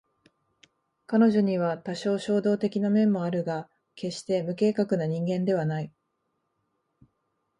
彼女には多少衝動的な面もあるが決して無計画な人間ではない